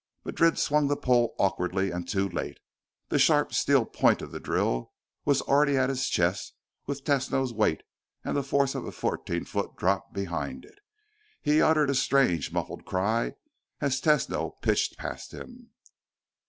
Madrid swung the pole awkwardly and too late. The sharp steel point of the drill was already at his chest with Tesno's weight and the force of a fourteen foot drop behind it. He uttered a strange muffled cry as Tesno pitched past him.